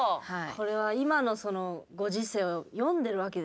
これは今のそのご時世を読んでいるわけですね。